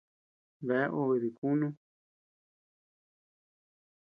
Bea obe dikunú.